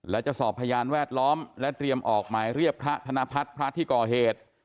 และจะสอบพยานแวดล้อมและเตรียมออกหมายเรียกพระธนพัฒน์พระที่ก่อเหตุ